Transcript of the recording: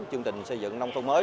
chương trình xây dựng nông thôn mới